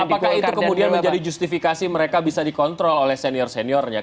apakah itu kemudian menjadi justifikasi mereka bisa dikontrol oleh senior seniornya